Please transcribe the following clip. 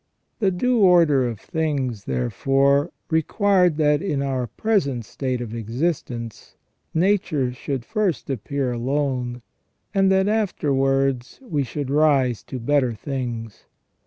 The due order of things, therefore, required that in our present state of existence nature should first appear alone, and that afterwards we should rise to better things.